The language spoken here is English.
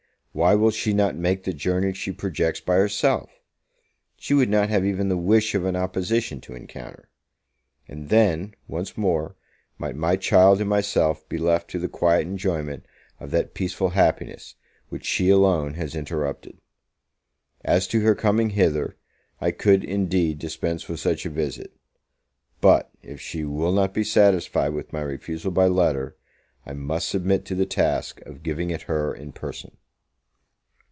Why will she not make the journey she projects by herself? She would not have even the wish of an opposition to encounter. And then, once more, might my child and myself be left to the quiet enjoyment of that peaceful happiness, which she alone has interrupted. As to her coming hither, I could, indeed, dispense with such a visit; but, if she will not be satisfied with my refusal by letter, I must submit to the task of giving it her in person.